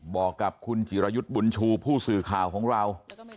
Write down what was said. บอกกับคุณจิรยุทธ์บุญชูผู้สื่อข่าวของเรา